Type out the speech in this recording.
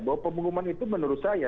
bahwa pengumuman itu menurut saya